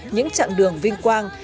những chặng đường vinh quang